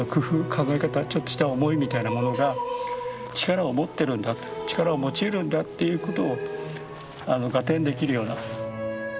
ちょっとした思いみたいなものが力を持ってるんだと力を持ちうるんだっていうことを合点できるような。